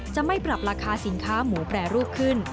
จะไม่ปรับราคาสินค้าหมูแปรรูปขึ้น